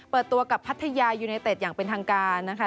เปิดตัวกับพัทยายูไนเต็ดอย่างเป็นทางการนะคะ